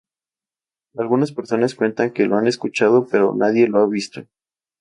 Algunas personas cuentan que lo han escuchado, pero nadie lo ha visto.